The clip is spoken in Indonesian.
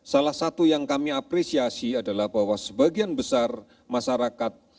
salah satu yang kami apresiasi adalah bahwa sebagian besar masyarakat